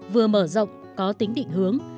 vừa mở rộng có tính định hướng